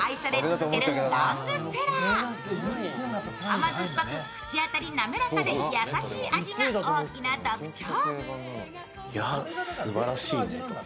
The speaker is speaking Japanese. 甘酸っぱく口当たり滑らかで優しい味が大きな特徴。